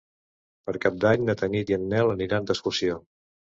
Per Cap d'Any na Tanit i en Nel aniran d'excursió.